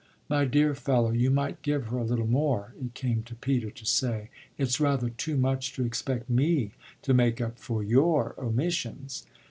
"My dear fellow, you might give her a little more!" it came to Peter to say. "It's rather too much to expect me to make up for your omissions!"